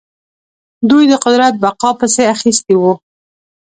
دوی د قدرت بقا پسې اخیستي وو.